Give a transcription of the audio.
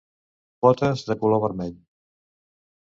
Potes de color vermell.